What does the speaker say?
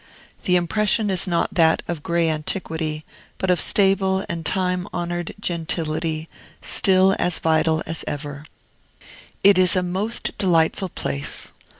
The impression is not that of gray antiquity, but of stable and time honored gentility, still as vital as ever. It is a most delightful place.